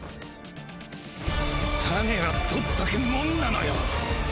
タネはとっとくもんなのよ。